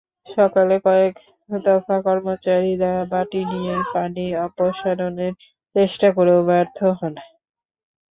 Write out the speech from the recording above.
সকালে কয়েক দফা কর্মচারীরা বাটি নিয়ে পানি অপসারণের চেষ্টা করেও ব্যর্থ হন।